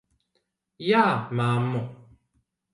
Jā, mammu?